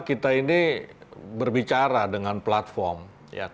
karena itu kominfo bekerja sama dengan gen z dan memperkenalkan informasi yang tidak terbatas